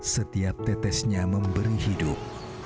setiap tetesnya memberi hidup